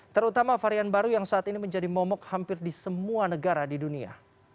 terutama varian baru yang saat ini menjadi momok hampir di semua negara di dunia